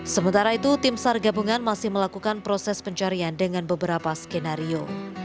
sementara itu tim sar gabungan masih melakukan proses pencarian dengan beberapa skenario